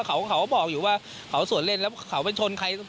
เขาก็บอกอยู่ว่าเขาสวนเล่นแล้วเขาไปชนใคร